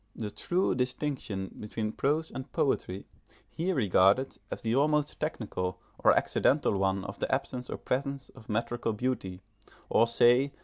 The true distinction between prose and poetry he regarded as the almost technical or accidental one of the absence or presence of metrical beauty, or, say!